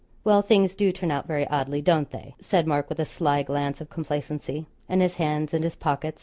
'Well, things do turn out very oddly; don't they?' said Mark with a sly glance of complacency, and his hands in his pockets.